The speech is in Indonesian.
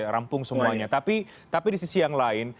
rampung semuanya tapi di sisi yang lain